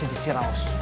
itu masih belum selesai